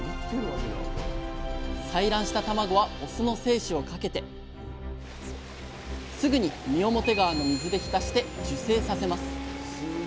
採卵した卵はオスの精子をかけてすぐに三面川の水で浸して受精させます。